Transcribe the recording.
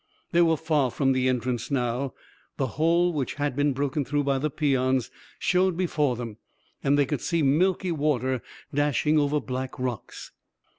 They were far from the entrance now. The hole which had been broken through by the peons showed before them, and they could see milky water dashing over black rocks.